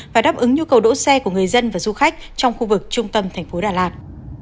và đáp ứng nhu cầu đỗ xe của người dân và du khách trong khu vực trung tâm thành phố đà lạt